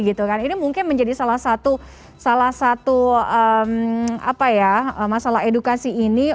ini mungkin menjadi salah satu masalah edukasi ini